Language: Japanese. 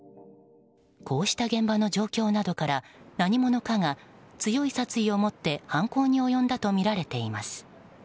こうした現場の状況などから何者かが強い殺意を持って犯行に及んだとみられています。